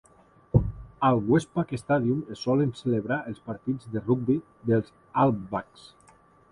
Al Westpac Stadium es solen celebrar els partits de rugbi dels All Blacks.